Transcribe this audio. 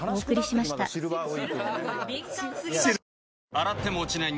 洗っても落ちない